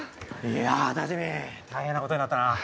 いやたじみん大変なことになったな。